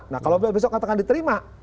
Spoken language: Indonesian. nah kalau besok katakan diterima